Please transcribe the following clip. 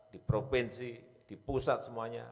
di provinsi di pusat semuanya